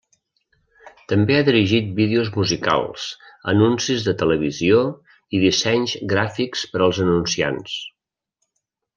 També ha dirigit vídeos musicals, anuncis de televisió i dissenys gràfics per als anunciants.